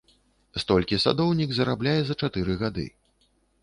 Столькі садоўнік зарабляе за чатыры гады.